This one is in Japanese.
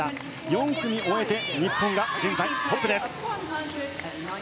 ４組終えて日本は現在トップです。